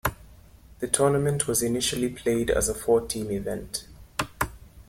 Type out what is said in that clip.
The tournament was initially played as a four team event.